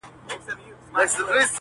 سمدستي یې د مرګي مخي ته سپر کړي-